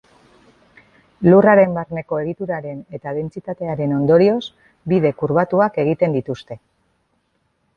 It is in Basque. Lurraren barneko egituraren eta dentsitatearen ondorioz, bide kurbatuak egiten dituzte.